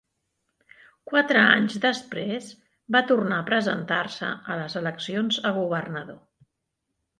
Quatre anys després, va tornar a presentar-se a les eleccions a governador.